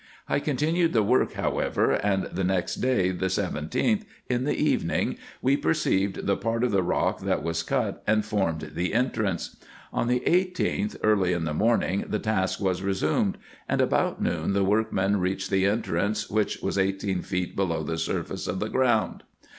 I continued the work however, and the next day, the 17th, in the evening, we perceived the part of the rock that was cut, and formed the entrance. On the 18th, early in the morning, the task was resumed, and about noon the workmen reached the entrance, which wras eighteen feet below the surface of the ground.